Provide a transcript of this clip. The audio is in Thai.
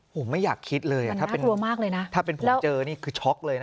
โหไม่อยากคิดเลยถ้าเป็นผมเจอคือช็อกเลยนะน่ากลัวมากเลยนะ